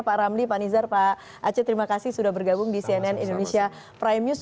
pak ramli pak nizar pak aceh terima kasih sudah bergabung di cnn indonesia prime news